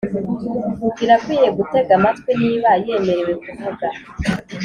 birakwiye gutega amatwi niba yemerewe kuvuga